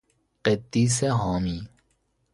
قدیس حامی